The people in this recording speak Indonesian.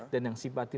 dan yang simpati